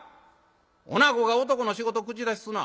おなごが男の仕事口出しすな。